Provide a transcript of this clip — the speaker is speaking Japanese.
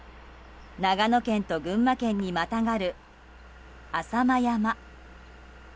長野県と群馬県にまたがる浅間山。